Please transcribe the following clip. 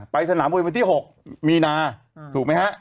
ไปสถามวยวันที่๖มีนาถูกมั้ยครับ